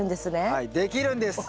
はいできるんです！